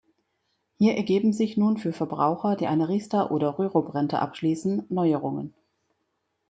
Hier ergeben sich nun für Verbraucher, die eine Riester- oder Rürup-Rente abschließen, Neuerungen.